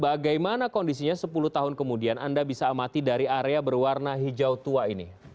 bagaimana kondisinya sepuluh tahun kemudian anda bisa amati dari area berwarna hijau tua ini